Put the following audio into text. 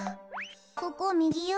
ここをみぎよ。